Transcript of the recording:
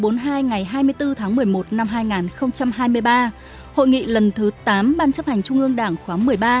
nghị quyết số bốn mươi hai ngày hai mươi bốn tháng một mươi một năm hai nghìn hai mươi ba hội nghị lần thứ tám ban chấp hành trung ương đảng khóa một mươi